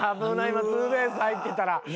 今ツーベース入ってたら。